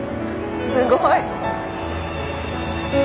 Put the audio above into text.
すごい。